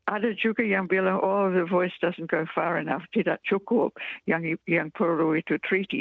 ada juga yang bilang oh the voice doesn t go far enough tidak cukup yang perlu itu treaty